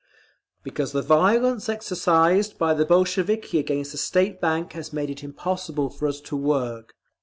Because the violence exercised by the Bolsheviki against the State Bank has made it impossible for us to work.